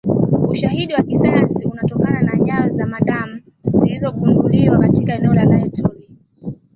Ushahidi wa kisayansi unatokana na nyayo za zamadamu zilizogunduliwa katika eneo la Laetoli